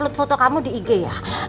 menurut foto kamu di ig ya